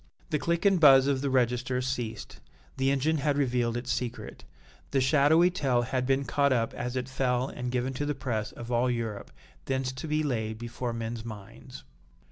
The click and buzz of the register ceased the engine had revealed its secret the shadowy tale had been caught up as it fell and given to the press of all Europe, thence to be laid before men's minds.